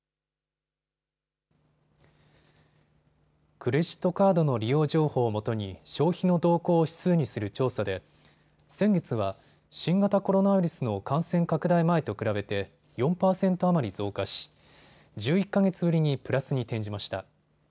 クレジットカードの利用情報をもとに消費の動向を指数にする調査で先月は新型コロナウイルスの感染拡大前と比べて４％余り増加し、１１か月ぶりにプラスに転じました。